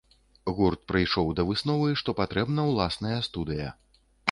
Гурт прыйшоў да высновы, што патрэбна ўласная студыя.